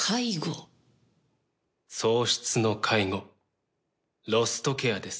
喪失の介護、ロストケアです。